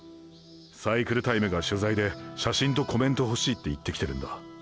「サイクルタイム」が取材で写真とコメント欲しいって言ってきてるんだ。